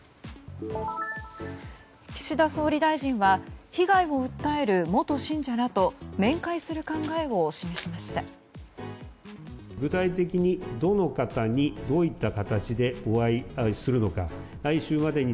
岸田総理大臣は被害を訴える元信者らと面会する考えを示しました。